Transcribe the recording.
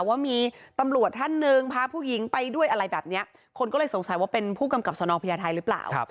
ว่ามีตำรวจท่านหนึ่งพาผู้หญิงไปด้วยอะไรแบบนี้คนก็เลยสงสัยว่าเป็นผู้กำกับสนพญาไทยหรือเปล่า